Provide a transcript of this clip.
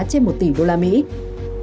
trị giá trị giá trị giá trị giá